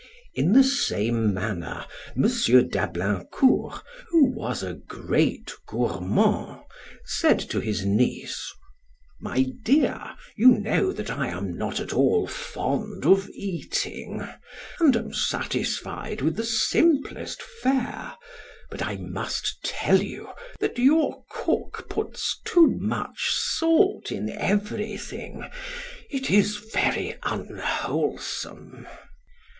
In the same manner, M. d'Ablaincourt, who was a great gourmand, said to his niece: "My dear, you know that I am not at all fond of eating, and am satisfied with the simplest fare; but I must tell you that your cook puts too much salt in everything! It is very unwholesome."